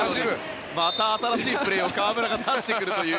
また新しいプレーを河村が出してくるという。